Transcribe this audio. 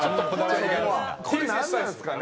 これなんなんですかね？